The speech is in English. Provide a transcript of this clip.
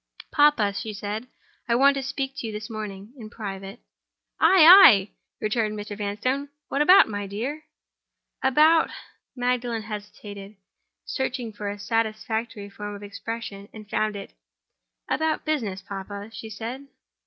"Papa," she said, "I want to speak to you this morning—in private." "Ay! ay!" returned Mr. Vanstone. "What about, my dear!" "About—" Magdalen hesitated, searching for a satisfactory form of expression, and found it. "About business, papa," she said.